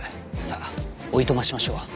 さあおいとましましょう。